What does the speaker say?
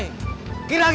buat gue ada waktu